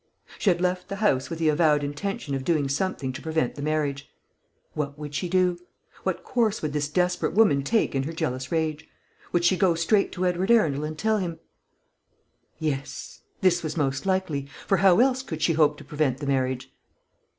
She had left the house with the avowed intention of doing something to prevent the marriage. What would she do? What course would this desperate woman take in her jealous rage? Would she go straight to Edward Arundel and tell him ? Yes, this was most likely; for how else could she hope to prevent the marriage?